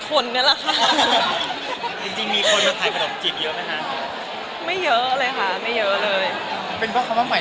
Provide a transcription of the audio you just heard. คือรู้สึกแบบว่าแบกใจไหม